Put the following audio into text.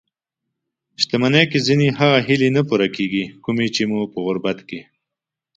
شتمني کې ځينې هغه هیلې نه پوره کېږي؛ کومې چې مو په غربت کې